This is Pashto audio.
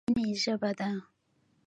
پښتو ژبه د مینې ژبه ده.